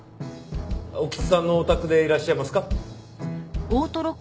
興津さんのお宅でいらっしゃいますか？